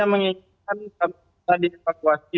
anda menginginkan kami bisa di evacuate